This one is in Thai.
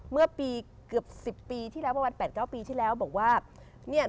เมื่อปีเกือบ๑๐ปีที่แล้วประมาณ๘๙ปีที่แล้วบอกว่าเนี่ย